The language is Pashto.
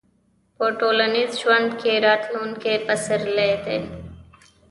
په ټولنیز ژوند کې راتلونکي پسرلي دي.